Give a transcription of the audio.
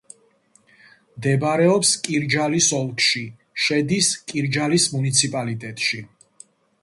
მდებარეობს კირჯალის ოლქში, შედის კირჯალის მუნიციპალიტეტში.